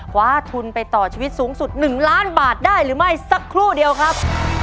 คว้าทุนไปต่อชีวิตสูงสุด๑ล้านบาทได้หรือไม่สักครู่เดียวครับ